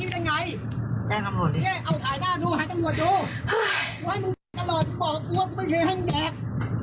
แจ้งอำรวจดิ